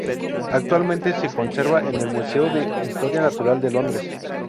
Actualmente se conserva en el Museo de Historia Natural de Londres.